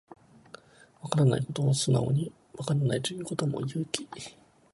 わからないことを素直にわからないと言うことも勇気